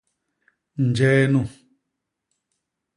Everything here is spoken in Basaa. Njee nu?